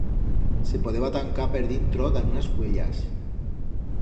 Se podeba tancar per dintro dan unas fuellas.